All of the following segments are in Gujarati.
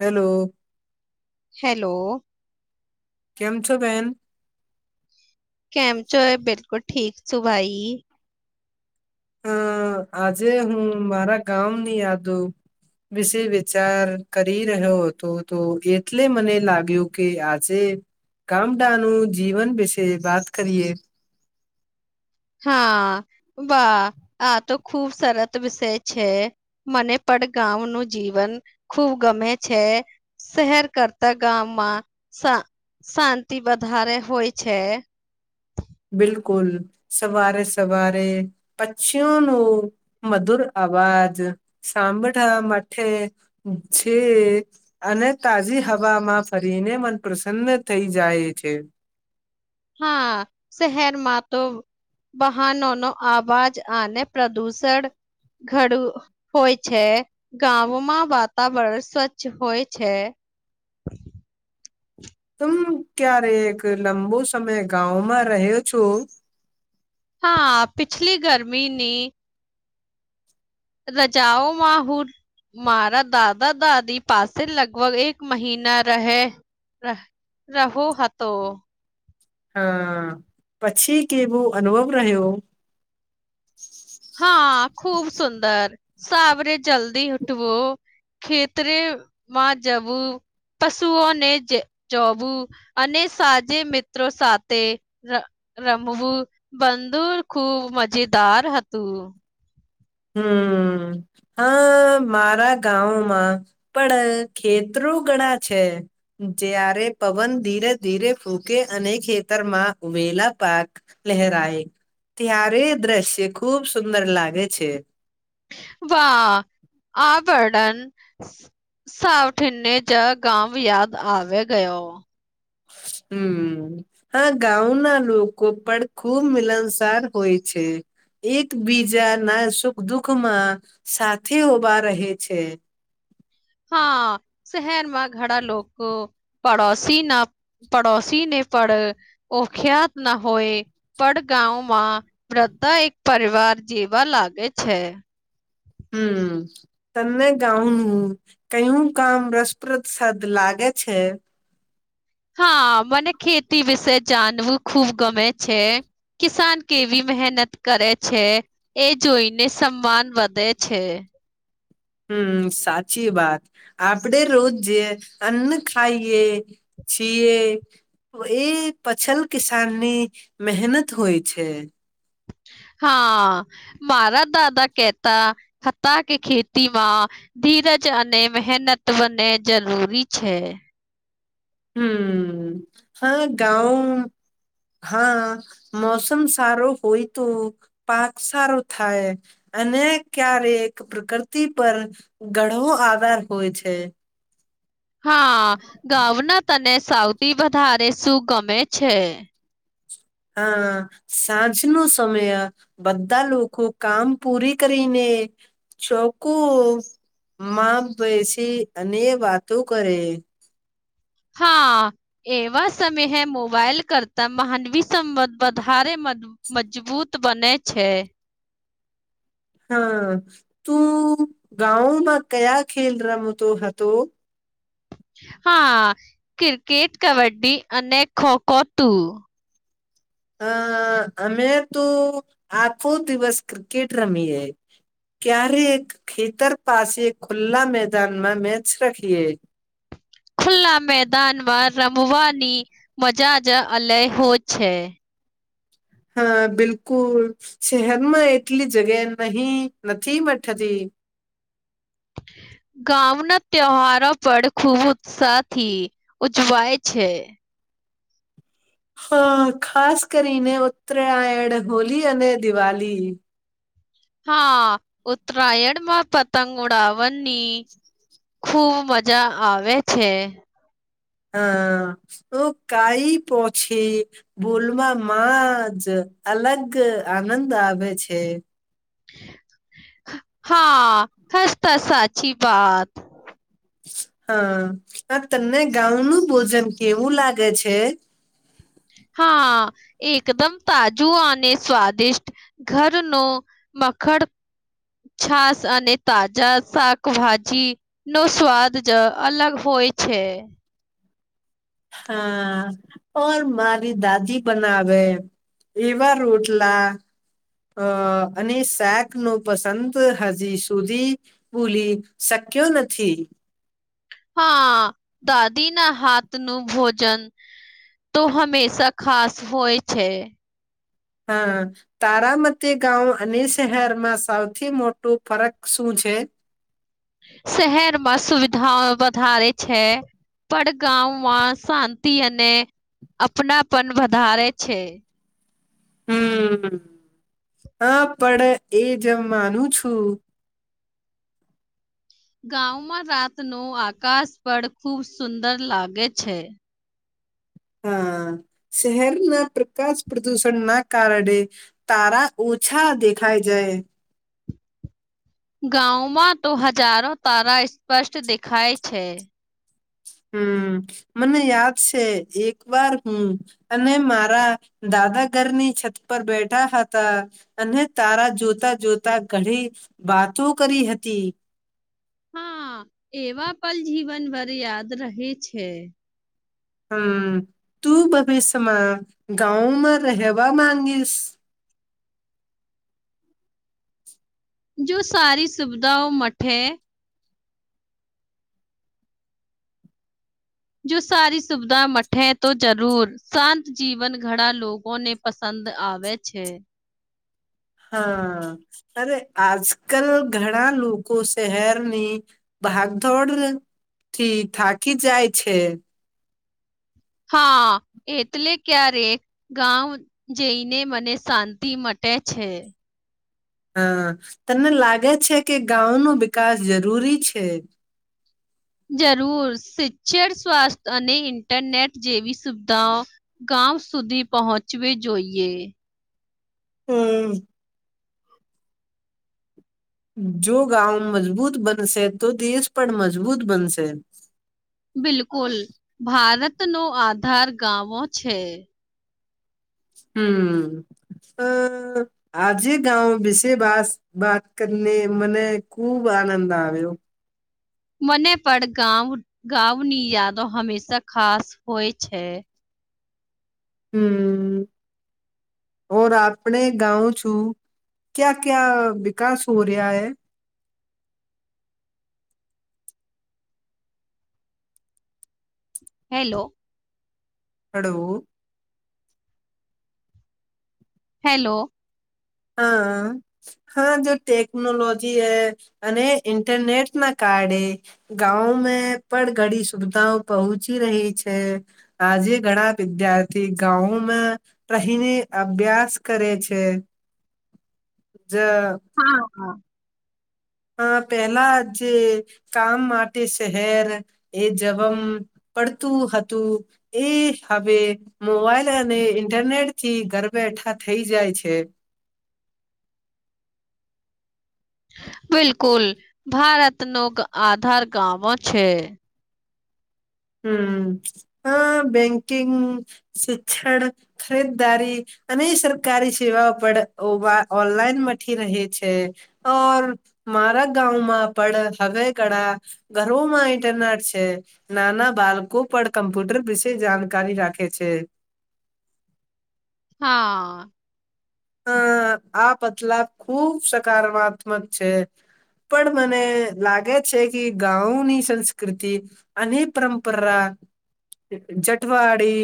હેલો હેલો કેમ છો બેન કેમ છો એ બિલકુલ ઠીક છું ભાઈ હ આજે હું મારા ગામની યાદો વિશે વિચાર કરી રહ્યો હતો તો એટલે મને લાગ્યું કે આજે ગામડા નું જીવન વિશે વાત કરીએ હા વાહ આ તો ખુબ સરત વિષય છે. મને પણ ગામ નુ જીવન ખૂબ ગમે છે. શહેર કરતા ગામમાં શા શાંતિ વધારે હોય છે. બિલકુલ સવારે સવારે પક્ષીયોનું મધુર અવાજ સાંભળા મથે જે અને તાજી હવામાં ફરીને મન પ્રસન્ન થઈ જાય છે. હા શહેરમાં તો વાહનો નો અવાજ અને પ્રદૂષણ ઘડુ હોય છે ગામમાં વાતાવરણ સ્વચ્છ હોય છે. તું ક્યારે એક લંબો સમય ગામાં રહ્યો છો. હા પિછલી ગરમીની રજાઓમા હુ મારા દાદા દાદી પાસે લગભગ એક મહિના રહે રાહુ હતો હા પછી કેવું અનુભવ રહ્યો. હા ખુબ સુંદર સાવરે જલ્દી ઉઠવો ખેતરે માં જવું પશુઓને જે જોવું અને સાજે મિત્રો સાથે ર રમવું બદુર ખુબ મજેદાર હતું. હમ હા મારા ગામમાં પણ ખેતરો ઘણા છે. જ્યારે પવન ધીરે ધીરે ફૂંકે અને ખેતરમાં ઉવેલા પાક લહેરાય ત્યારે દ્રશ્ય ખુબ સુંદર લાગે છે. વાહ આ [unintelligible] સાવઠીને જ ગામ યાદ આવે ગયો. હમ્મ. હા ગાવના લોકો પણ ખુબ મિલનસાર હોય છે. એકબીજા ના સુખ દુઃખ માં સાથે ઉભા રહે છે. હા શહેરમાં ઘણા લોકો પડોશી ના પડોસીને પડ ઓ ખ્યાત ના હોય. પડ ગામમાં બધા એક પરિવાર જેવા લાગે છે. હમ્મ. તને ગાવનું કયું કામ રસપ્રદ સાદ લાગે છે. હા મને ખેતી વિશે જાણવું ખુબ ગમે છે. કિસાન કેવી મહેનત કરે છે. એ જોઈને સમાન વધે છે. હમ્મ સાચી બાત આપડે રોજ જે અન્ન ખાઈએ છીએ એ પછલ કિસાન ની મહેનત હોય છે. હા મારા દાદા કેતા હતા કે ખેતીમાં ધીરજ અને મહેનત બને જરૂરી છે. હમ્મ હા ગાવ હા મોસમ સારો હોય તો પાક સારો થાય અને ક્યારેક પ્રકૃતિ પર ઘણો આધાર હોય છે. હા ગાવના તને સૌથી વધારે શું ગમે છે. હા સાંજ નો સમય બધા લોકો કામ પૂરી કરીને ચોકુ માં બેસી અને વાતો કરે. હા. એવા સમય મોબાઈલ કરતા માનવી સંબંધ વધારે મજબૂ મજબૂત બને છે. હા તું ગાવ માં કયા ખેલ રમતો હતો. હા ક્રિકેટ કબડ્ડી અને ખો ખો તું. અ અમે તો આખો દિવસ ક્રિકેટ રમીએ. ક્યારે એક ખેતર પાસે ખુલ્લા મેદાનમાં મેચ રાખીએ. ખુલ્લા મેદાનમાં રમવાની મજા જ અલેહો છે. હા બિલકુલ શહેરમાં એટલી જગ્યા નહી નથી મઠતી. ગામના તહેવારો પડ ખૂબ ઉત્સાહથી ઉજવાય છે. હા ખાસ કરીને ઉત્તરાયણ હોલી અને દિવાલી. હા ઉતરાયડમાં પતંગ ઉડાવની ખુબ મજા આવે છે. હા તો કાઈ પો છે. ભોલવા માં જ અલગ આનંદ આવે છે. હા હસતા સાચી વાત. હા હ તમને ગામ નું ભોજન કેવું લાગે છે. હા એકદમ તાજું અને સ્વાદિષ્ટ ઘર નું મખણ છાસ અને તાજા શાકભાજી નો સ્વાદ જ અલગ હોય છે. હા. ઓર મારી દાદી બનાવે એવા રોટલા અ અને શાક નો પસંદ હજી સુધી ભૂલી શક્યો નથી. હા દાદી ના હાથ નું ભોજન તો હંમેશા ખાસ હોય છે. હા. તારામતે ગાંઉં અને શહેરમાં સૌથી મોટું ફરક શું છે? શહેરમાં સુવિધા વધારે છે. પડ ગામમાં શાંતિ અને અપનાપન વધારે છે. હમ્મ હા પણ એજ માનું છું ગાંઉં માં રાત નું આકાશ પડ ખુબ સુંદર લાગે છે. હા શહેરના પ્રકાશ પ્રદૂષણ ના કારણે તારા ઓછા દેખાય જય ગાંઉમાં તો હજારો તારા સ્પષ્ટ દેખાય છે. હમ્મ મને યાદ છે એક વાર હું અને મારા દાદા ઘરની છત પર બેઠા હતા અને તારા જોતા જોતા ઘણી વાતો કરી હતી. હા એવા પલ જીવન ભર યાદ રહે છે. હમ્મ તું ભવિષ્યમાં ગાઉમાં રહેવા માંગીશ જો સારી સુવિધાઓ મઠે જો સારી સુવિધા મઠે તો જરૂર શાંત જીવન ઘણા લોકો ને પસંદ આવે છે. હા અરે આજકલ ઘણા લોકો શહેરની ભાગધોડ થી થાકી જાય છે. હા એટલે ક્યારે ગાઉ જઈને મને શાંતિ મટે છે. હા તને લાગે છે, કે ગાઉ નુ વિકાસ જરૂરી છે. જરૂર શિક્ષણ સ્વાસ્થ્ય અને ઇન્ટરનેટ જેવી સુવિધાઓ, ગામ સુધી પહોંચવી જોઈએ, હમ્મ જો ગાવ મજબૂત બનશે તો દેશ પણ મજબૂત બનશે. બિલકુલ ભારતનો આધાર ગાવો છે. હમ્મ આ આજે ગાવ વિશે વાત કરીને મને ખુબ આનંદ આવ્યો, મને પણ ગાવ ગાવની યાદો હંમેશા ખાસ હોય છે, હું આપણે ગાવ છું. ક્યાં ક્યાં વિકાસ હો રહ્યાએ હેલો, હાલો. હેલો. હા, હાવે જો ટેકનોલોજી હ અને ઇન્ટરનેટના કારણેે, ગાવમે પણ ઘડી સુવિધાઓ પહોંચી રહી છે, આજે ઘણા વિદ્યાર્થી ગાવમે, રહીને અભ્યાસ કરે છે, જ હા, હા. હ પેલા જે કામ માટે શહેર, એ જવમ પડતું હતું, એ હવે મોબાઈલ અને ઇન્ટરનેટથી ઘર બેઠા થઈ જાય છે, બિલકુલ ભારતનો આધાર ગામો છે, હમ અ બેંકિગ, શિક્ષણ, ખરીદારી અને સરકારી સેવાઓ પણ ઓનલાઈન મથી રહે છે. ઓર મારા ગામમાં પડ હવે ધણા ઘરોમાં ઇન્ટરનેટ છે. નાના બાલકો પણ કમ્પ્યુટર વિશે જાણકારી રાખે છે. હા હ આ બદલા ખુબ સકારાત્મક છે. પણ મને લાગે છે કે ગાઉની સંસ્કૃતિ અને પરંપરા જટવાડી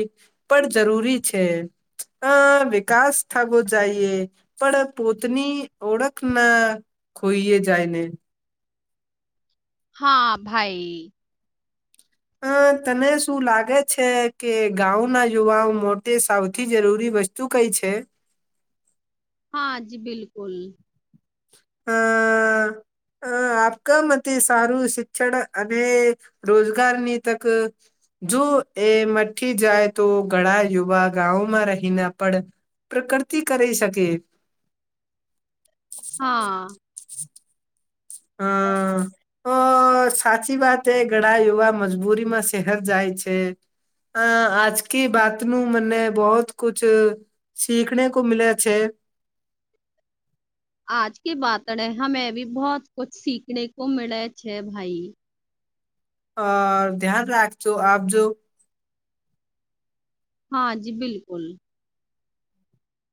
પણ જરૂરી છે. આ વિકાસ થગો જાઈએ પણ પોતની ઓળખ ના ખોઈએ જાયને. હા ભાઈ અ તને શું લાગે છે, કે ગાવના યુવાઓ મોટે સૌથી જરૂરી વસ્ તું કઈ છે? હાજી બિલકુલ. અ અ આપકા મતે સારું શિક્ષણ અને રોજગારની તક જોએ મઠ્ઠી જાય તો ઘણા યુવા ગાવમાં રહીના પડ પ્રકૃતિ કરી શકે. હા અ અ સાચી વાતે એ ઘણા યુવા મજબૂરીમાં શહેર જાય છે. અ આજકી બાતનું મને બહોત કુછ સીખને કો મિલે છે. આજ કે બાત ને હમે ભી બહુત કુછ સીખને કો મીલે છે ભાઈ. અ ધ્યાન રાખજો, આવજો. હા જી બિલકુલ.